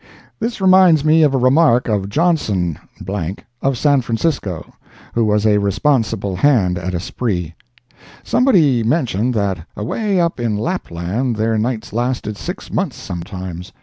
This reminds me of a remark of Johnson ______, of San Francisco, who was a responsible hand at a spree. Somebody mentioned that away up in Lapland their nights lasted six months sometimes.